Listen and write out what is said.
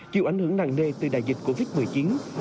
chịu ảnh hưởng nặng nề từ đại dịch covid một mươi chín